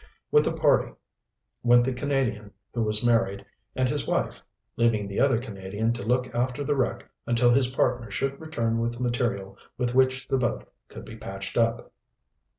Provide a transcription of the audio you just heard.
With the party went the Canadian who was married, and his wife, leaving the other Canadian to look after the wreck until his partner should return with material with which the boat could be patched up.